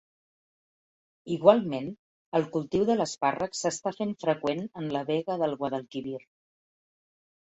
Igualment, el cultiu de l'espàrrec s'està fent freqüent en la vega del Guadalquivir.